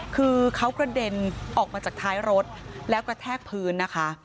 คือเขากระเด็นออกมาจากท้ายรถแล้วกระแทกพื้นนะคะ